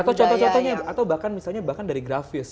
atau contoh contohnya bahkan misalnya dari grafis